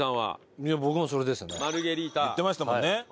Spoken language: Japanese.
言ってましたもんね。